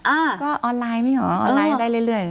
อ่ะก็ออนไลน์ไม่เหรอได้เรื่อย